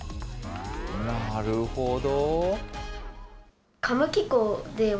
なるほど。